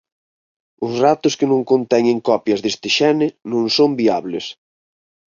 Os ratos que non conteñen copias deste xene non son viables.